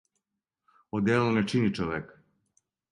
Одело не чини човека.